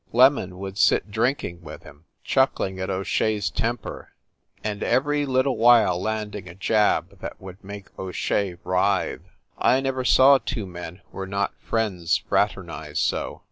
"Lemon" would sit drinking with him, chuckling at O Shea s temper, and every little while landing a jab that would make O Shea writhe. I never saw two men who were not friends fraternize so.